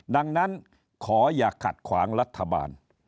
ดังนั้นขออย่าขัดขวางรัฐบาล